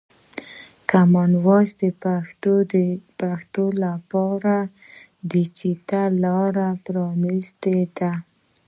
کامن وایس د پښتو لپاره د ډیجیټل لاره پرانستې ده.